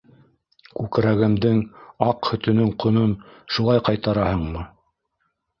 Күкрәгемдең аҡ һөтөнөң ҡонон шулай ҡайтараһыңмы?